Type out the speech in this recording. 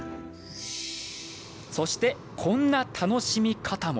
そして、こんな楽しみ方も。